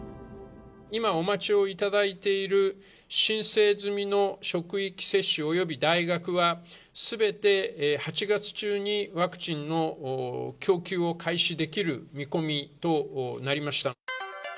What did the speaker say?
今お待ちをいただいている申請済みの職域接種および大学は、すべて８月中にワクチンの供給を開始できる見込みとなりました。